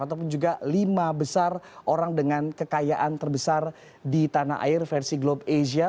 ataupun juga lima besar orang dengan kekayaan terbesar di tanah air versi globe asia